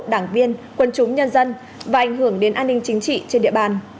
đảng viên quân chúng nhân dân và ảnh hưởng đến an ninh chính trị trên địa bàn